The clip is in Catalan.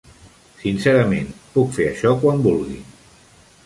Sincerament, puc fer això quan vulgui.